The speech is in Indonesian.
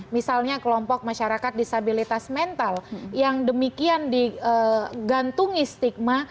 misalnya kelompok masyarakat disabilitas mental yang demikian digantungi stigma